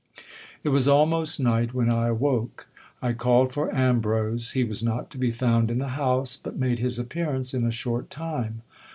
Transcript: It was almost night when I awoke. I called for Am brose. He was not to be found in the house ; but made his appearance in a short time.